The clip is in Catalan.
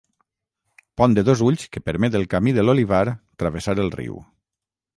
Pont de dos ulls que permet el camí de l'Olivar travessar el riu.